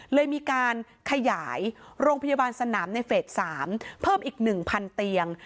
เลยมีการขยายโรงพยาบาลสนามในเฟส๓เพิ่มอีก๑๐๐เตียง